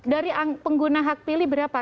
dari pengguna hak pilih berapa